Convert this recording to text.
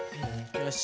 よし。